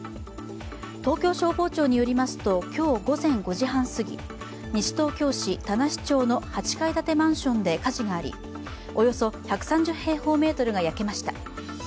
東京消防庁によりますと今日午前５時半すぎ西東京市田無町の８階建てマンションで火事がありおよそ１３０平方メートルが焼けました。